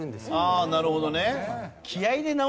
ああなるほどね。